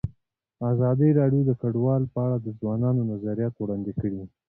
ازادي راډیو د کډوال په اړه د ځوانانو نظریات وړاندې کړي.